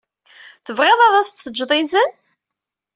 Tebɣid ad as-d-tejjed izen?